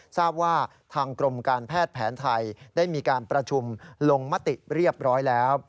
ทราบว่าทางกรมการแพทย์แผนไทยได้มีการประชุมลงมติเรียบร้อยแล้ว